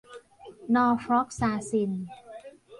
นอร์ฟล็อกซาซิน